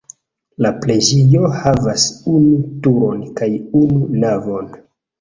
La preĝejo havas unu turon kaj unu navon.